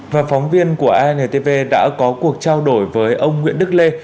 và phóng viên của antv đã có cuộc trao đổi với ông nguyễn đức lê